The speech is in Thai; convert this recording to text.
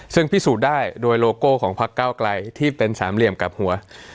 ซึ่งพิสูจน์ได้โดยโลโก้ของพักเก้าไกลที่เป็นสามเหลี่ยมกับหัว